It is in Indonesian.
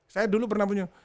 saya dulu pernah punya